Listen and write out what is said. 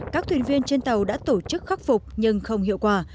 các thuyền viên trên tàu đã tổ chức khắc phục nhưng không hiệu quả